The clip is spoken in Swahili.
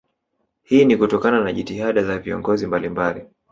Hii ni kutokana na jitihada za viongozi mbalimbali